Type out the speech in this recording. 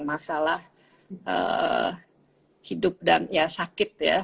masalah hidup dan ya sakit ya